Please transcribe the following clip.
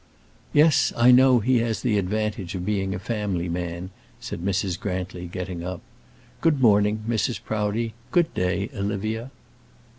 "Yes, I know he has the advantage of being a family man," said Mrs. Grantly, getting up. "Good morning, Mrs. Proudie; good day, Olivia."